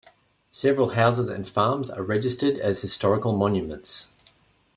Several houses and farms are registered as historical monuments.